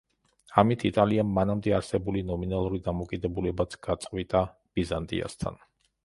ამით იტალიამ მანამდე არსებული ნომინალური დამოკიდებულებაც გაწყვიტა ბიზანტიასთან.